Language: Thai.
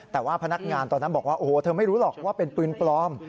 แต่ว่าพนักงานตอนนั้นบอกว่าโอ้โหเธอไม่รู้หรอกว่าเป็นปืนปลอม